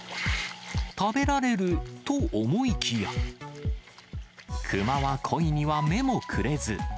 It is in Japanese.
食べられると思いきや、クマはコイには目もくれず。